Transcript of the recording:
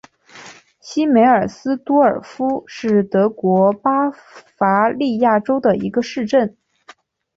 西梅尔斯多尔夫是德国巴伐利亚州的一个市镇。